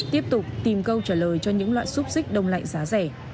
tiếp tục tìm câu trả lời cho những loại xúc xích đông lạnh giá rẻ